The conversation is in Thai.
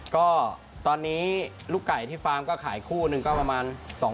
ก็ตอนนี้ลูกไก่ที่ฟาร์มก็ขายคู่นึงก็ประมาณ๒๐๐๐๐๓๐๐๐๐